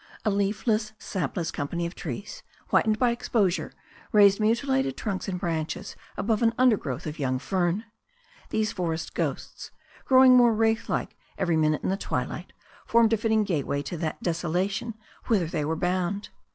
A leafless, sapless company cf trees, whitened by exposure, raised mutilated trunks and THE STORY OF A NEW ZEALAND RIVER 313 branches above an undergrowth of young fern. These for est ghosts, growing more wraith like every minute in the twilight, formed a fitting gateway to that desolation whither they were bound.